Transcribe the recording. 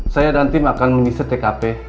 saya dan tim akan mengisi tkp